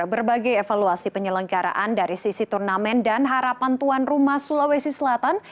berbagai evaluasi penyelenggaraan dari sisi turnamen dan harapan tuan rumah sulawesi selatan